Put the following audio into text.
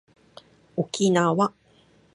おきなわ